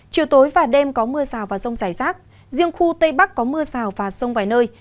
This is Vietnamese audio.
chiều tối và đêm có mưa rào và rông rải rác riêng khu tây bắc có mưa rào và sông vài nơi